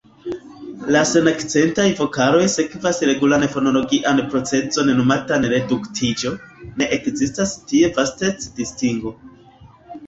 La senakcentaj vokaloj sekvas regulan fonologian procezon nomatan reduktiĝo: ne ekzistas tie vastec-distingo.